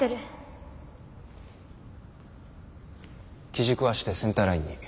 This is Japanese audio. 機軸を足でセンターラインに。